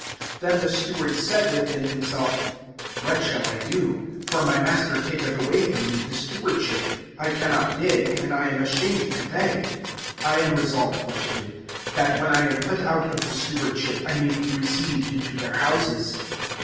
3 Then the steward said within bkaseU; « What shall I do ? for my master taketh awaj from me ^stewardship : I cannot dig» tnd 1 am ashamed to b^. 4 I am lesolved whi^ to do ; tbat, wimi I am put out of the stew u^hin, I may be received into their houses.'